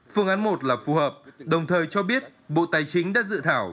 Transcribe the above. phương án một là phù hợp đồng thời cho biết bộ tài chính đã dự thảo